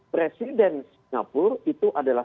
presiden singapura itu adalah